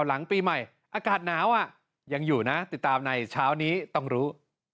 หลังปีใหม่อากาศหนาวยังอยู่นะติดตามในเช้านี้ต้องรู้